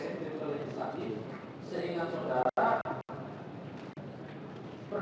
itu apa perbedaannya